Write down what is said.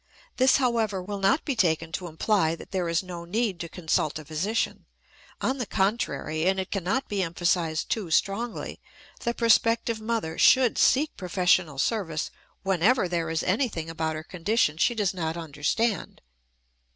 This, however, will not be taken to imply that there is no need to consult a physician. On the contrary, and it cannot be emphasized too strongly, the prospective mother should seek professional service whenever there is anything about her condition she does not understand.